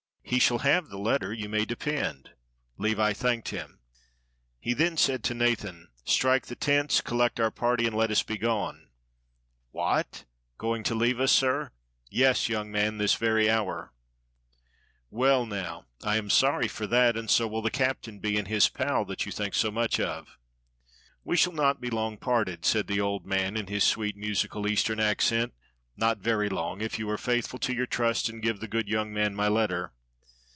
"He shall have the letter, you may depend." Levi thanked him. He then said to Nathan: "Strike the tents, collect our party, and let us be gone." "What! going to leave us, sir?" "Yes! young man, this very hour." "Well now, I am sorry for that, and so will the captain be, and his pal that you think so much of." "We shall not be long parted," said the old man, in his sweet musical Eastern accent, "not very long, if you are faithful to your trust and give the good young man my letter.